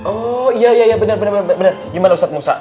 oh iya iya bener bener bener gimana ustadz musa